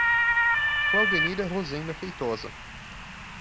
Claudenira Rozenda Feitosa